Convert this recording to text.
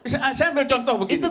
saya ambil contoh begini